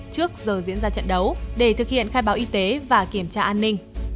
trước giờ diễn ra trận đấu để thực hiện khai báo y tế và kiểm tra an ninh